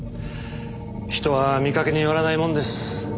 人は見かけによらないもんです。